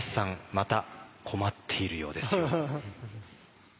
また困っているようですよ。